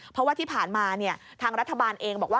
เพราะว่าที่ผ่านมาทางรัฐบาลเองบอกว่า